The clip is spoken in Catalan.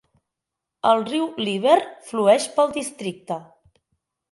El riu Liver flueix pel districte.